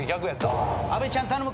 阿部ちゃん頼む。